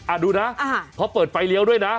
ดูนะเขาเปิดไฟเลี้ยวด้วยนะ